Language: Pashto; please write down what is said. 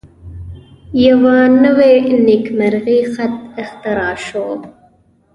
یوه نوی نیمګړی خط اختراع شو.